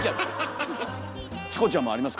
チコちゃんもありますか？